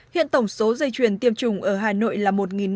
hiện tổng số dây chuyền tiêm chủng ở hà nội là một năm trăm linh